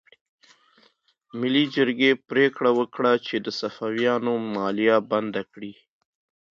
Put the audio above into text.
ملي جرګې پریکړه وکړه چې د صفویانو مالیه بنده کړي.